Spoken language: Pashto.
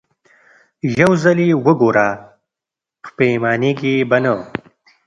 يو ځل يې وګوره پښېمانېږې به نه.